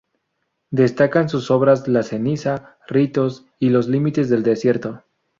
Destacan su obras "La ceniza", "Ritos" y "Los límites del desierto".